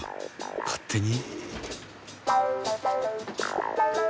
勝手に？